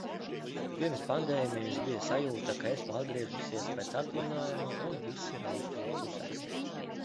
Pirms pandēmijas bija sajūta, ka esmu atgriezusies pēc atvaļinājuma un visi rausta uz pusēm.